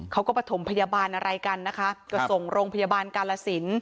เขาก็ประถมพยาบาลอะไรกันนะคะก็ส่งโรงพยาบาลกาลสิน